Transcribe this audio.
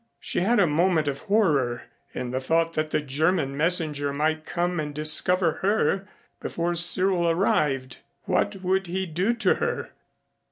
She had a moment of horror in the thought that the German messenger might come and discover her before Cyril arrived. What would he do to her?